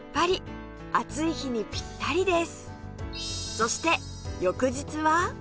そして翌日は